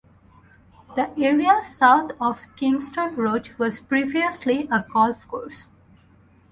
The area south of Kingston Road was previously a golf course.